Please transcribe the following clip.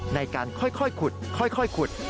ในการค่อยขุดขุด